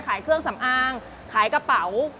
ขายเครื่องสำอางขายกระเป๋า